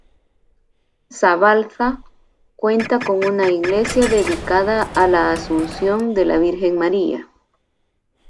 Zabalza cuenta con una iglesia dedicada a la Asunción de la Virgen María.